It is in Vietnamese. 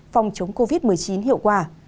phòng chống covid một mươi chín hiệu quả